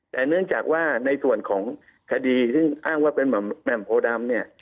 แต่เนื่องจากว่าในส่วนของคดีซึ่งอ้างว่าเป็นแหม่มโพดำเนี่ย